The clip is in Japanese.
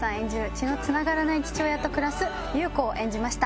血のつながらない父親と暮らす優子を演じました。